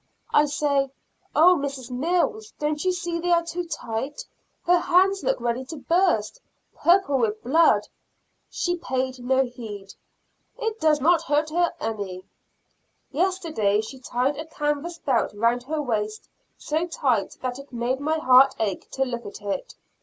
I say, "Oh, Mrs. Mills, don't you see they are too tight, her hands look ready to burst purple with blood." She paid no heed: "It does not hurt her any." Yesterday she tied a canvas belt round her waist so tight that it made my heart ache to look at it.